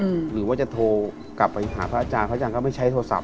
หรือว่าจะโทรกลับไปหาพระอาจารย์พระอาจารย์ก็ไม่ใช้โทรศัพ